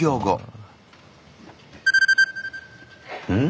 うん？